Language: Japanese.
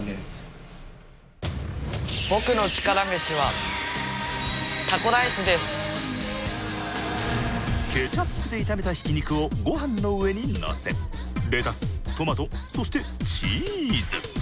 僕の力メシはケチャップで炒めたひき肉をごはんの上にのせレタストマトそしてチーズ。